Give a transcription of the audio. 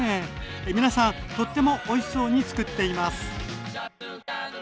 皆さんとってもおいしそうにつくっています。